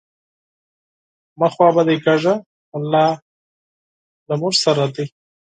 مه خپه کیږه ، الله ج له مونږ سره دی.